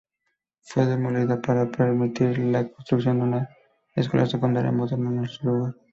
Fue demolida para permitir la construcción de una escuela secundaria moderna en el lugar.